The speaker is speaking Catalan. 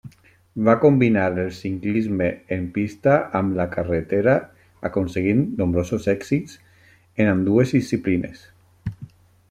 Va combinar el ciclisme en pista amb la carretera, aconseguint nombrosos èxits en ambdues disciplines.